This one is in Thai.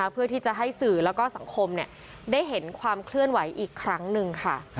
เพื่อที่จะให้สื่อแล้วก็สังคมได้เห็นความเคลื่อนไหวอีกครั้งหนึ่งค่ะ